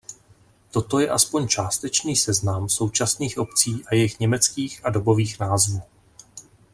Toto je aspoň částečný seznam současných obcí a jejich německých a dobových názvů.